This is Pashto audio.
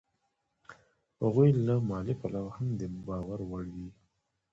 هغوی له مالي پلوه هم د باور وړ دي